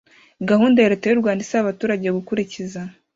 Gahunda Leta y’u Rwanda isaba abaturage gukurikiza